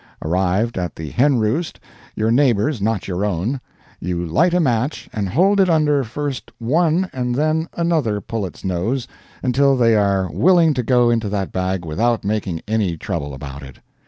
Arrived at the henroost (your neighbor's, not your own), you light a match and hold it under first one and then another pullet's nose until they are willing to go into that bag without making any trouble about it.